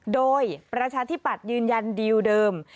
โดยประชาธิบัติยืนยันดีอยู่เดิม